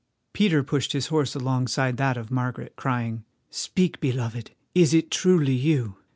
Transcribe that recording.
Peter pushed his horse alongside that of Margaret, crying: "Speak, beloved. Is it truly you?"